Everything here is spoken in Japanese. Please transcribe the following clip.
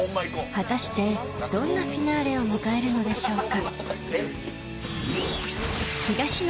果たしてどんなフィナーレを迎えるのでしょうか？